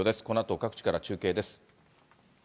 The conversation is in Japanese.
このあと各地から中継です。